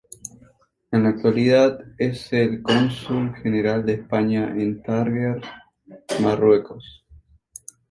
En la actualidad, es el Cónsul General de España en Tánger, Marruecos.